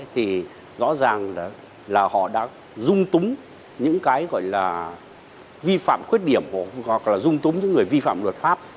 thì rõ ràng là họ đã dung túng những cái gọi là vi phạm khuyết điểm hoặc là dung túng những người vi phạm luật pháp